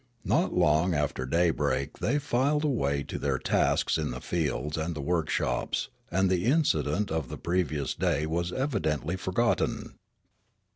Not long after day break they filed away to their tasks in the fields and the workshops, and the incident of the previous day was evidently forgotten.